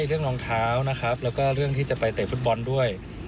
รองเท้านะครับแล้วก็เรื่องที่จะไปเตะฟุตบอลด้วย